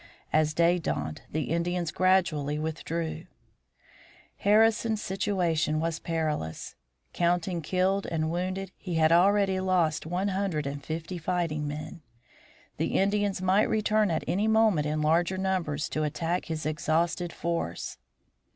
As day dawned the Indians gradually withdrew. Harrison's situation was perilous. Counting killed and wounded he had already lost one hundred and fifty fighting men. The Indians might return at any moment in larger numbers to attack his exhausted force.